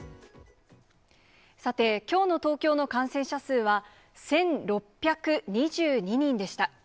さて、きょうの東京の感染者数は１６２２人でした。